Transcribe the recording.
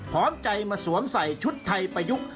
พร้อมใจมาสวมใส่ชุดไทยประยุกต์